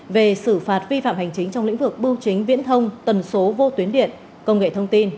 về xử phạt vi phạm hành chính trong lĩnh vực bưu chính viễn thông tần số vô tuyến điện công nghệ thông tin